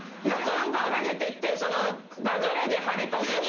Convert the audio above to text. だんだんハゲてって流れでハゲた分には。